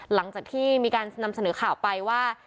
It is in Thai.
หลังจากที่มีการนำเสนอข่าวไปว่า